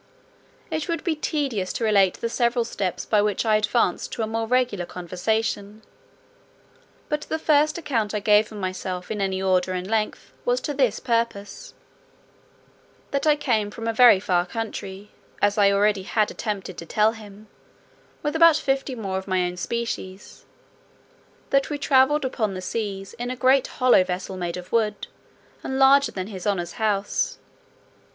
It would be tedious to relate the several steps by which I advanced to a more regular conversation; but the first account I gave of myself in any order and length was to this purpose: "That I came from a very far country, as I already had attempted to tell him, with about fifty more of my own species; that we travelled upon the seas in a great hollow vessel made of wood, and larger than his honour's house.